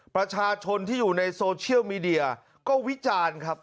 ประชาชนที่อยู่ในโซเชียลมีเดียก็วิจารณ์ครับ